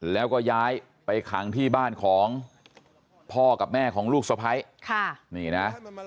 แล้วก็ย้ายไปขังที่บ้านของพ่อกับแม่ของลูกสะพ้ายค่ะนี่นะ